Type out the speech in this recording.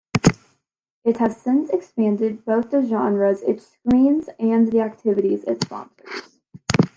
It has since expanded both the genres it screens and the activities it sponsors.